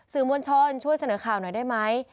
มวลชนช่วยเสนอข่าวหน่อยได้ไหม